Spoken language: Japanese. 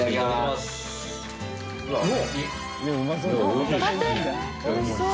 おいしそう。